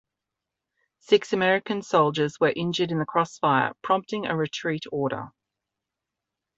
Six American soldiers were injured in the crossfire, prompting a retreat order.